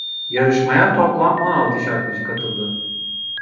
Yarışmaya toplam on altı şarkıcı katıldı.